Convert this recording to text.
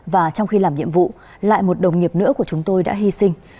và trong khi làm nhiệm vụ lại một đồng nghiệp nữa của chúng tôi đã hy sinh